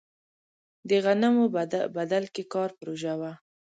د غنمو بدل کې کار پروژه وه.